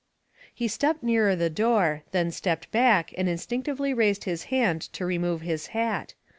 He stepped nearer the door, then stepped back and instinctively raised his hand to remove his hat.